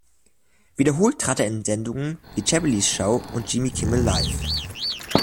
Wiederholt trat er in Sendungen wie "Chappelle’s Show" und "Jimmy Kimmel Live!